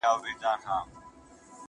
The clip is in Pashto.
په دعا او په تسلیم يې کړ لاس پورته؛